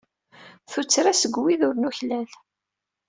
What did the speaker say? Tuttra seg wid ur nuklal.